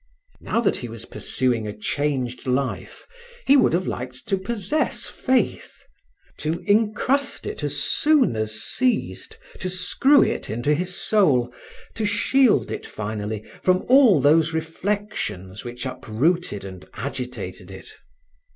Now that he was pursuing a changed life, he would have liked to possess faith, to incrust it as soon as seized, to screw it into his soul, to shield it finally from all those reflections which uprooted and agitated it.